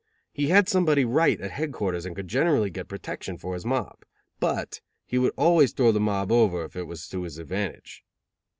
He had somebody "right" at headquarters and could generally get protection for his mob; but he would always throw the mob over if it was to his advantage.